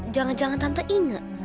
jangan jangan tante inge